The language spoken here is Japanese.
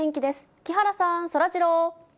木原さん、そらジロー。